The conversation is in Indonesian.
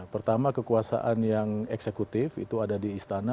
pertama kekuasaan yang eksekutif itu ada di istana